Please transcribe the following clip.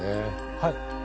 はい。